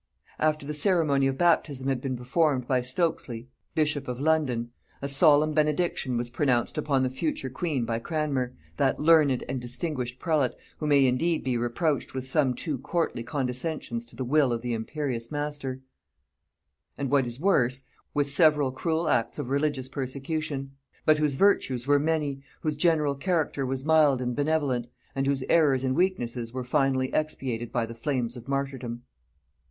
After the ceremony of baptism had been performed by Stokesly bishop of London, a solemn benediction was pronounced upon the future queen by Cranmer, that learned and distinguished prelate, who may indeed be reproached with some too courtly condescensions to the will of an imperious master, and what is worse, with several cruel acts of religious persecution; but whose virtues were many, whose general character was mild and benevolent, and whose errors and weaknesses were finally expiated by the flames of martyrdom.